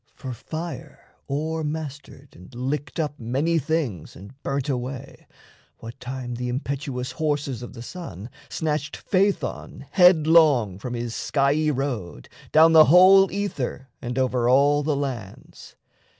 For fire o'ermastered And licked up many things and burnt away, What time the impetuous horses of the Sun Snatched Phaethon headlong from his skiey road Down the whole ether and over all the lands.